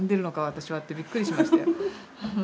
私はってびっくりしましたよ。